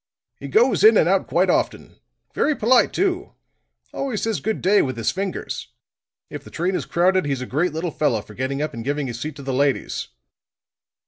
He goes in and out quite often. Very polite too. Always says good day with his fingers; if the train is crowded, he's a great little fellow for getting up and giving his seat to the ladies."